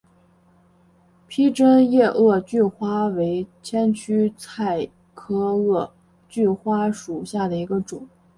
披针叶萼距花为千屈菜科萼距花属下的一个种。